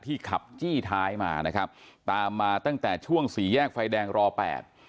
ขับจี้ท้ายมานะครับตามมาตั้งแต่ช่วงสี่แยกไฟแดงรอแปด